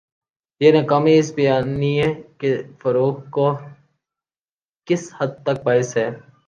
یہ ناکامی اس بیانیے کے فروغ کا کس حد تک باعث ہے؟